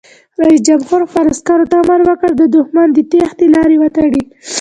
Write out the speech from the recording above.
رئیس جمهور خپلو عسکرو ته امر وکړ؛ د دښمن د تیښتې لارې وتړئ!